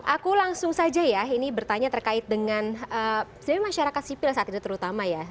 aku langsung saja ya ini bertanya terkait dengan sebenarnya masyarakat sipil saat ini terutama ya